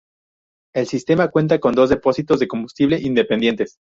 El sistema cuenta con dos depósitos de combustible independientes.